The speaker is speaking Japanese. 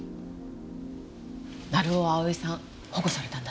成尾蒼さん保護されたんだって？